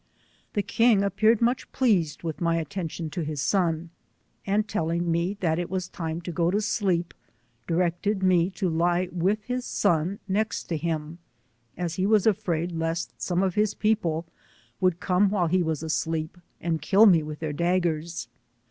The king appeared much pleased with my atten tion to his son, and telling me that it was time to go to sleep directed me to lie with his son next to him, as he was afraid lest some of his people would come while he was asleep and kill me with their daggers.